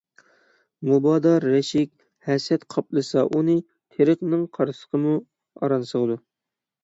مۇبادا رەشك - ھەسەت قاپلىسا ئۇنى، تېرىقنىڭ قاسرىقىمۇ ئاران سىغىدۇ.